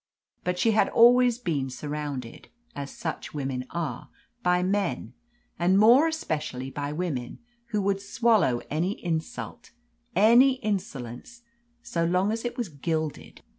But she had always been surrounded as such women are by men, and more especially by women, who would swallow any insult, any insolence, so long as it was gilded.